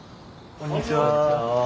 こんにちは。